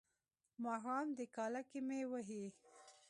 ماښام دی کاله کې مې وهي.